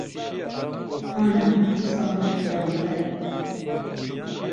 هانام ساڵح پێغهمبەر